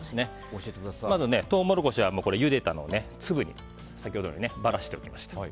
まず、トウモロコシはゆでた粒を先ほどのようにばらしておきました。